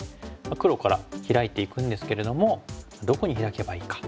黒からヒラいていくんですけれどもどこにヒラけばいいか。